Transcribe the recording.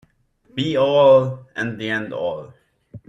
Be-all and the end-all